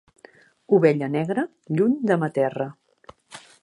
Ovella negra, lluny de ma terra.